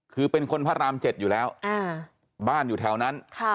คือเป็นคนพระราม๗อยู่แล้วบ้านอยู่แถวนั้น